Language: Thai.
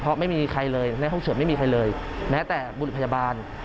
เพราะไม่มีใครคือไม่มีใครแม้แต่บุรุพยาบาล